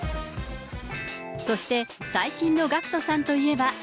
そして、最近のＧＡＣＫＴさんといえば。